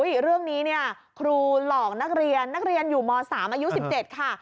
เรื่องนี้เนี่ยครูหลอกนักเรียนนักเรียนอยู่ม๓อายุ๑๗ค่ะ